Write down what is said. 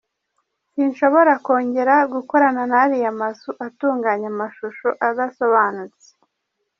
Sinshobora kongera gukorana n’ariya mazu atunganya amashusho adasobanutse”.